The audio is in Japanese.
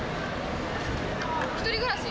１人暮らし？